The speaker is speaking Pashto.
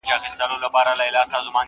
انتظار به د سهار کوو تر کومه,